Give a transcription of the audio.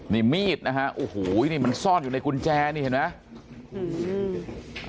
นี่มีดนะฮะโอ้โหนี่มันซ่อนอยู่ในกุญแจนี่เห็นไหม